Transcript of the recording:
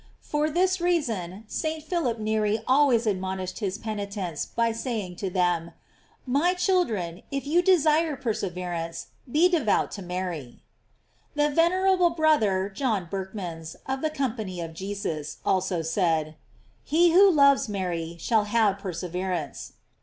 For this reason, St. Philip Neri always admonished his penitents by saying to them: My children, if you desire per severance, be devout to Mary. The venerable brother John Berchmans, of the Company of Jesus, also said: He who loves Mary, shall have perseverance.